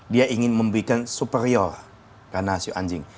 dia ingin memberikan superior karena si anjing